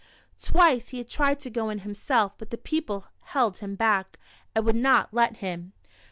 Twice he had tried to go him self, but the people held him back, and would not let him.